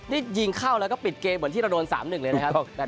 นี่ยิงเข้าแล้วก็ปิดเกมเหมือนที่เราโดน๓๑เลยนะครับ